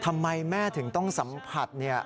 ทำไมแม่ถึงต้องสัมผัส